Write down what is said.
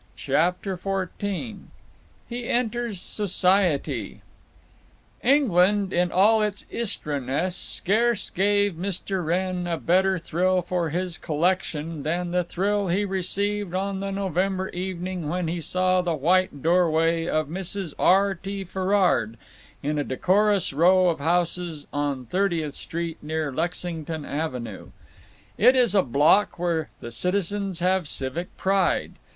CHAPTER XIV HE ENTERS SOCIETY England, in all its Istra ness, scarce gave Mr. Wrenn a better thrill for his collection than the thrill he received on the November evening when he saw the white doorway of Mrs. R. T. Ferrard, in a decorous row of houses on Thirtieth Street near Lexington Avenue. It is a block where the citizens have civic pride.